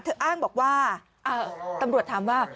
เธออ้างบอกว่าอ่าตำรวจถามว่า